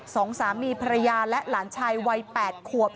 สองสามีภรรยาและหลานชายวัยแปดขวบ